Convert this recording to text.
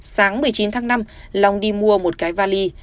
sáng một mươi chín tháng năm long đi mua một cái vali